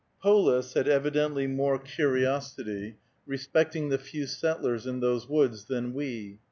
Polis had evidently more curiosity respecting the few settlers in those woods than we.